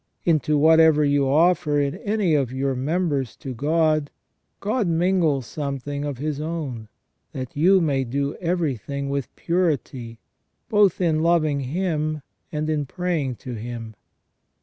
Into whatever you offer in any of your members to God, God mingles something of His own, that you may do everything with purity, both in loving Him and in praying to Him.